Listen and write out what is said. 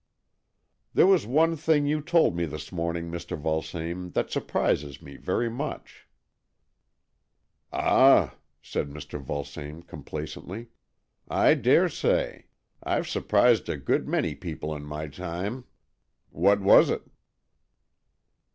" There was one thing you told me this morning, Mr. Vulsame, that surprises me very much." 104 AN EXCHANGE OF SOULS ^^Ah/' said Mr. Vulsame complacently, " I dare say. Fve surprised a good many people in my time. What was it?